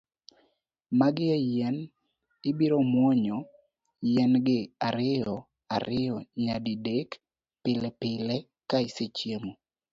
Magi e yien, ibiro muonyo yien gi ariyo ariyo nyadi dek, pilepile ka isechiemo.